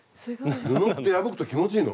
布って破くと気持ちいいの？